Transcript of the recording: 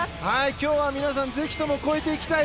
今日は皆さん、ぜひとも超えていきたい！